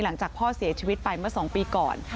หลังจากพ่อเสียชีวิตไปเมื่อ๒ปีก่อน